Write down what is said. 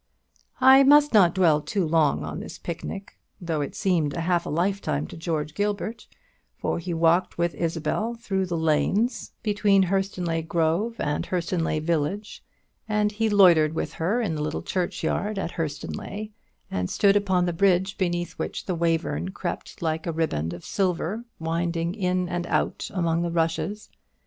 I must not dwell too long on this picnic, though it seemed half a lifetime to George Gilbert, for he walked with Isabel through the lanes between Hurstonleigh grove and Hurstonleigh village, and he loitered with her in the little churchyard at Hurstonleigh, and stood upon the bridge beneath which the Wayverne crept like a riband of silver, winding in and out among the rushes.